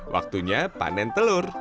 waktunya panen telur